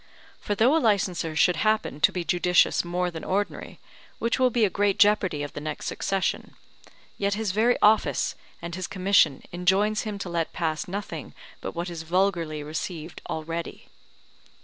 For though a licenser should happen to be judicious more than ordinary, which will be a great jeopardy of the next succession, yet his very office and his commission enjoins him to let pass nothing but what is vulgarly received already.